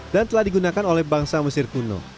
dan telah digunakan oleh bangsa mesir kuno